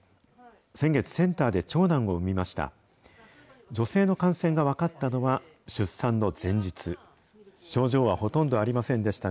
先月、センターで長男を産みました。